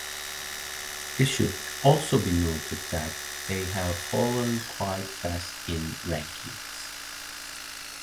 It should also be noted that they have fallen quite fast in the rankings.